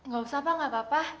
gak usah pak gak apa apa